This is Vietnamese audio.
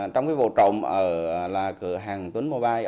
trong vụ trộm ở cửa hàng tuấn mobile